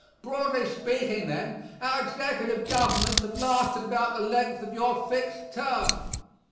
Broadly speaking, then, our executive governments have lasted about the length of your fixed term.